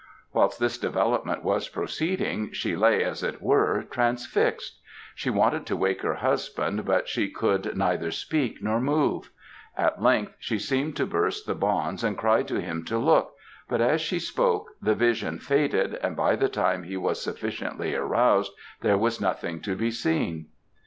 "Whilst this development was proceeding, she lay, as it were, transfixed; she wanted to wake her husband, but she could neither speak nor move; at length she seemed to burst the bonds, and cried to him to look, but as she spoke, the vision faded, and by the time he was sufficiently aroused there was nothing to be seen.